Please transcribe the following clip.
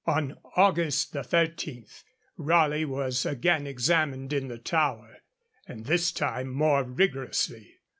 On August 13, Raleigh was again examined in the Tower, and this time more rigorously.